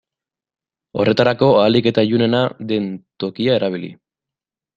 Horretarako ahalik eta ilunena den tokia erabili.